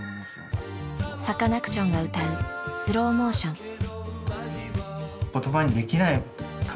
サカナクションが歌う「スローモーション」。